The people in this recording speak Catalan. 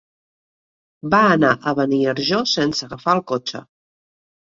Va anar a Beniarjó sense agafar el cotxe.